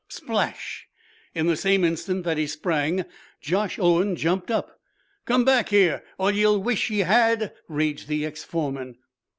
Splash! In the same instant that he sprang, Josh Owen jumped up. "Come back here, or ye'll wish ye had!" raged the ex foreman.